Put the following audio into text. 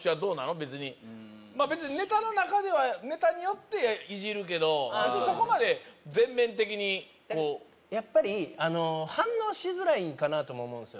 別にまあ別にネタの中ではネタによってイジるけどそこまで全面的にこうやっぱりあの反応しづらいかなとも思うんですよ